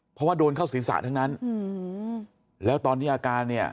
เพราะว่าโดนเข้าศีรษะทั้งนั้นแล้วตอนนี้อาการเนี่ย